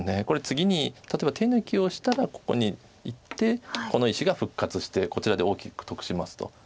これ次に例えば手抜きをしたらここにいってこの石が復活してこちらで大きく得しますと。